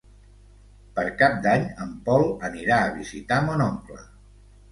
Per Cap d'Any en Pol anirà a visitar mon oncle.